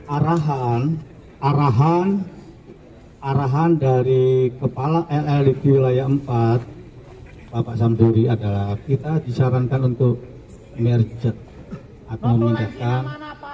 arahan arahan arahan dari kepala llu di wilayah empat bapak samburi adalah kita disarankan untuk merge atau meningkatkan